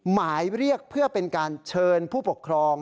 หมายเรียกเพื่อเป็นการเชิญผู้ปกครอง